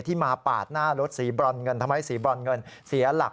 มาปาดหน้ารถสีบรอนเงินทำให้สีบรอนเงินเสียหลัก